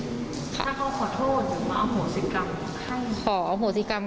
ถ้าเขาขอโทษหรือเอาโหสิกรรมให้